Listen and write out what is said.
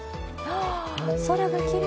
空がきれい。